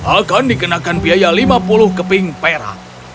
akan dikenakan biaya lima puluh keping pera